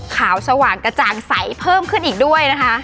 สว่างกระจ่างใสเพิ่มขึ้นอีกด้วยนะคะ